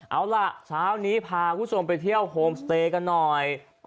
เอาล่ะสาวนี้พาครูสมไปเที่ยวโฮมสเตยกันหน่อย